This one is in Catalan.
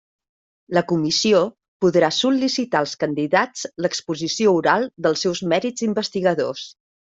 La Comissió podrà sol·licitar als candidats l'exposició oral dels seus mèrits investigadors.